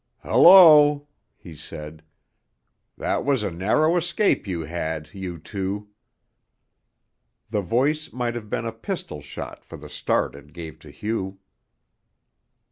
"Hullo," he said. "That was a narrow escape you had, you two!" The voice might have been a pistol shot for the start it gave to Hugh.